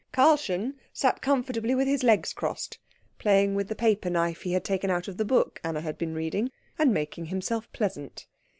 Karlchen sat comfortably with his legs crossed, playing with the paper knife he had taken out of the book Anna had been reading, and making himself pleasant.